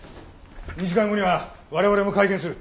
２時間後には我々も会見する。